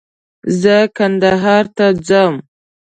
زه کندهار ته ځم